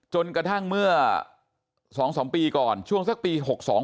จนกระทั่งเมื่อสองสามปีก่อนช่วงสักปี๖๒